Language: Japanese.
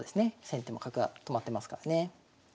先手も角が止まってますからね。